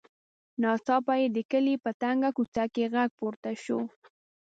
ناڅاپه د کلي په تنګه کوڅه کې غږ پورته شو.